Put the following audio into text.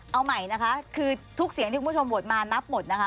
เอาใหม่นะคะคือทุกเสียงที่คุณผู้ชมโหวตมานับหมดนะคะ